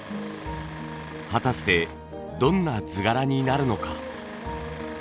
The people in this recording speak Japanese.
果たしてどんな図柄になるのか。